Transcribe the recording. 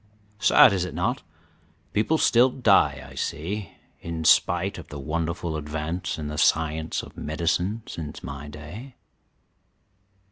"Sad, is it not? People still die, I see, in spite of the wonderful advance in the science of medicine since my day."